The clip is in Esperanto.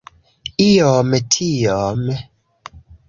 Iom tiom